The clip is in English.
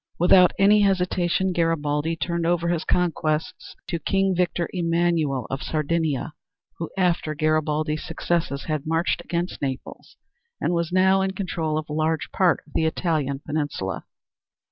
Without any hesitation Garibaldi turned over his conquests to King Victor Emmanuel of Sardinia, who, after Garibaldi's successes, had marched against Naples and was now in control of a large part of the Italian peninsula.